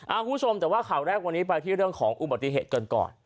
คุณผู้ชมแต่ว่าข่าวแรกวันนี้ไปที่เรื่องของอุบัติเหตุกันก่อน